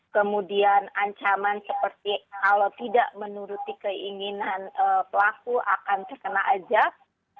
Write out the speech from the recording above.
kemudian ancaman seperti kalau tidak menuruti keinginan pelaku akan terkena ajak